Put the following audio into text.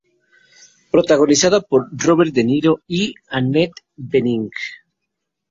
Protagonizada por Robert De Niro y Annette Bening.